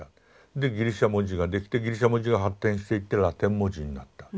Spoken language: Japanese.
でギリシャ文字ができてギリシャ文字が発展していってラテン文字になった。